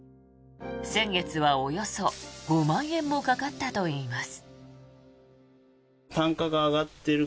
先月はおよそ５万円もかかったといいます。